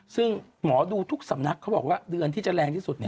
ซึ่งหมอดูทุกสำนักเขาบอกว่าเดือนที่จะแรงที่สุด